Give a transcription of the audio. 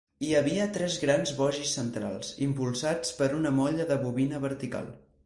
Hi havia tres grans bogis centrals, impulsats per una molla de bobina vertical.